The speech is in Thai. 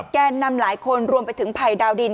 แกนนำหลายคนรวมไปถึงภัยดาวดิน